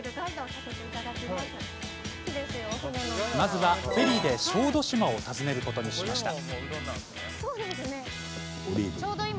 まずはフェリーで小豆島を訪ねることにしました。